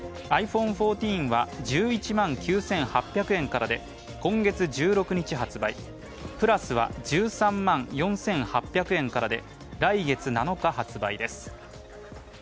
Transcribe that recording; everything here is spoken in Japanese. ｉＰｈｏｎｅ１４は１１万９８００円からで今月１６日発売、Ｐｌｕｓは１３万４８００円からで来月７日発売です。